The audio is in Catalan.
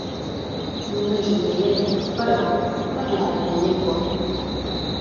Només un miler, però, parlaven la llengua.